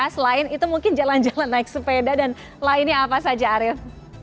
selain itu mungkin jalan jalan naik sepeda dan lainnya apa saja arief